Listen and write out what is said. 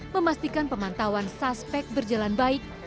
memastikan pemantauan suspek berjalan baik